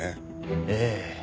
ええ。